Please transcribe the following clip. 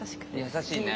優しいね。